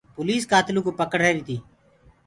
پوليس ڪآتلو ڪوُ پَڪڙ رهيري تي۔